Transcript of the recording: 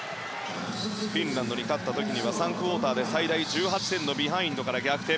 フィンランドに勝った時には３クオーターで最大１８点のビハインドから逆転。